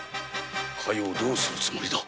加代をどうするつもりだ。